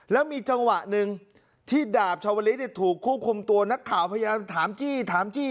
แล้วมีจังหวะหนึ่งที่ดาบชาวลิศถูกคู่คุมตัวนักข่าวพยายามถามจี้ถามจี้